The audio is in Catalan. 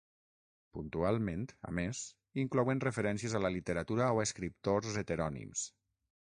Puntualment, a més, inclouen referències a la literatura o a escriptors heterònims.